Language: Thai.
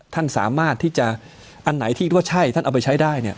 ท่านสามารถที่จะอันไหนที่ว่าใช่ท่านเอาไปใช้ได้เนี่ย